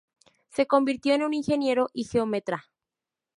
Se convirtió en un ingeniero y geómetra.